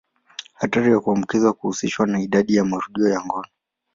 Hatari ya kuambukizwa huhusishwa na idadi ya marudio ya ngono.